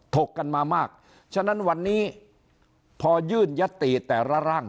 ถกกันมามากฉะนั้นวันนี้พอยื่นยัตติแต่ละร่าง